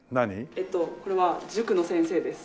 えっとこれは塾の先生です。